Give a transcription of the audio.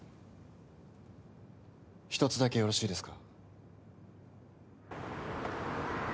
１つだけよろしいですか？